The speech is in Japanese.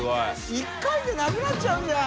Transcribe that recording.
１回でなくなっちゃうじゃん！